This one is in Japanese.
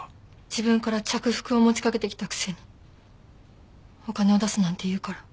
自分から着服を持ちかけてきたくせにお金を出せなんて言うから。